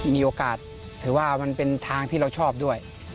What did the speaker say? มีโอกาสถือว่ามันเป็นทางที่เราชอบด้วย